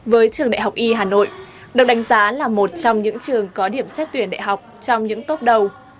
với trường đại học y hà nội được đánh giá là một trong những trường có điểm xét tuyển đại học trong những tốt đầu